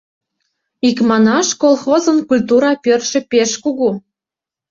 Икманаш, колхозын культура пӧртшӧ пеш кугу.